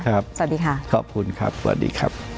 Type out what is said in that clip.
ครับขอบคุณครับสวัสดีครับ